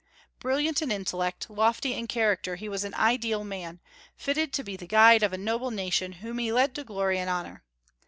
Brilliant in intellect, lofty in character, he was an ideal man, fitted to be the guide of a noble nation whom he led to glory and honor.